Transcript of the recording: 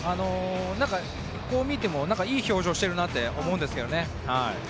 こう見てもいい表情をしてるなって思うんですけどね。